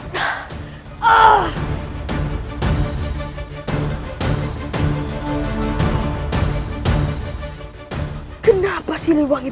jangan tahan lama lagi